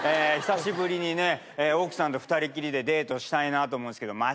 久しぶりにね奥さんと二人きりでデートしたいなと思うんですけど。